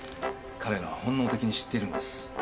彼らは本能的に知ってるんです。